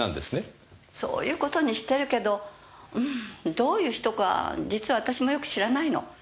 そういう事にしてるけどどういう人か実は私もよく知らないの。